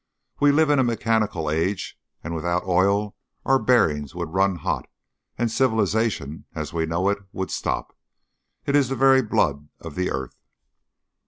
We live in a mechanical age, and without oil our bearings would run hot and civilization, as we know it, would stop. It is the very blood of the earth.